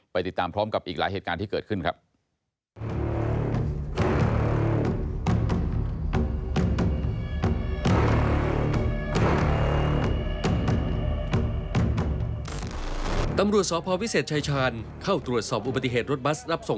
ติดตามพร้อมกับอีกหลายเหตุการณ์ที่เกิดขึ้นครับ